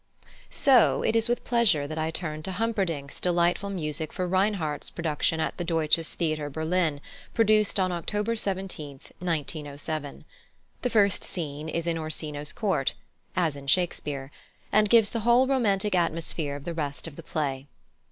So it is with pleasure that I turn to +Humperdinck's+ delightful music for Reinhardt's production at the Deutsches Theater, Berlin, produced on October 17, 1907. The first scene is in Orsino's court (as in Shakespeare), and gives the whole romantic atmosphere of the rest of the play.